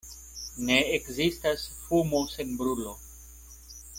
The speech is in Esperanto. Ne ekzistas fumo sen brulo.